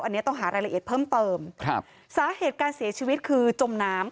อันนี้ต้องหารายละเอียดเพิ่มเติมครับสาเหตุการเสียชีวิตคือจมน้ำ